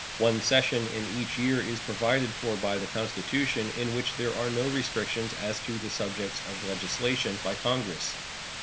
One session in each year is provided for by the Constitution, in which there are no restrictions as to the subjects of legislation by Congress.